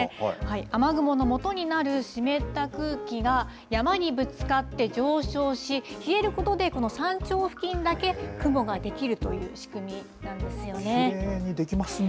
雨雲のもとになる湿った空気が山にぶつかって上昇し、冷えることで、この山頂付近だけ雲が出来るきれいに出来ますね。